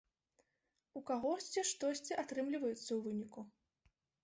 У кагосьці штосьці атрымліваецца ў выніку.